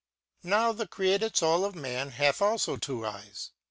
Now the created foul of man hath alfo two eyes.